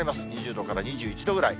２０度から２１度くらい。